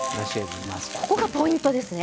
ここがポイントですね。